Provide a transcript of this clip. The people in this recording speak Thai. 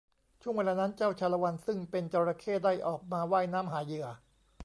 ช่วงเวลานั้นเจ้าชาละวัน ซึ่งเป็นจระเข้ได้ออกมาว่ายน้ำหาเหยื่อ